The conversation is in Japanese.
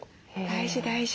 大事大事。